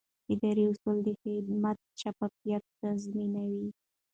اداري اصول د خدمت شفافیت تضمینوي.